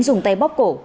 dùng tay bóp cổ